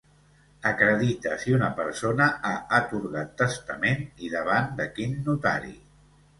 Acredita si una persona ha atorgat testament i davant de quin notari.